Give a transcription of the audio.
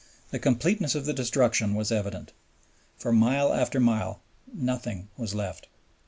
The completeness of the destruction was evident. For mile after mile nothing was left.